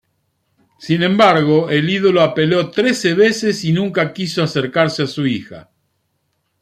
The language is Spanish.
Sin embargo, el ídolo apeló trece veces y nunca quiso acercarse a su hija.